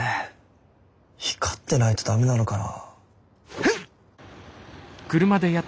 光ってないとダメなのかな？